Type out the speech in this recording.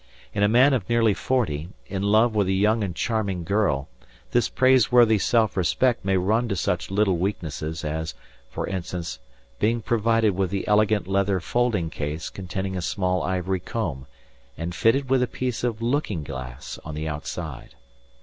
In a man of nearly forty, in love with a young and charming girl, this praiseworthy self respect may run to such little weaknesses as, for instance, being provided with an elegant leather folding case containing a small ivory comb and fitted with a piece of looking glass on the outside.